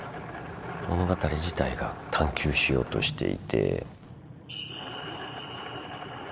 物語自体が探究しようとしていて。